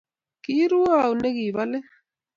Kiruee au negibolet?